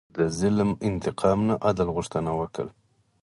د ظلم انتقام نه، عدل غوښتنه وکړه.